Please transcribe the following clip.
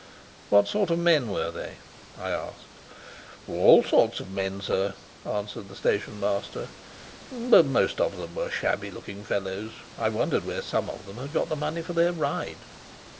"What sort of men were they?" I asked. "All sorts of men, sir," answered the station master, "but most of them were shabby looking fellows. I wondered where some of them had got the money for their ride."